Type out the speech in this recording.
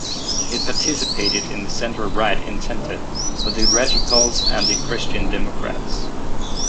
It participated in the centre-right 'Entente', with the Radicals and the Christian Democrats.